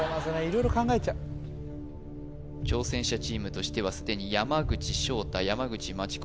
色々考えちゃう挑戦者チームとしては既に山口尚太山口真知子